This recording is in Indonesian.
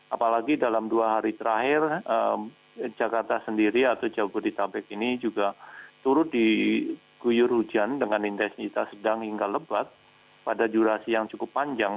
apalagi dalam dua hari terakhir jakarta sendiri atau jabodetabek ini juga turut diguyur hujan dengan intensitas sedang hingga lebat pada durasi yang cukup panjang